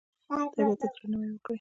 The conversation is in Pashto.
طبیعت ته درناوی وکړئ